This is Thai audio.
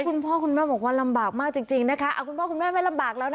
คุณพ่อคุณแม่ไม่ลำบากแล้วนะคะ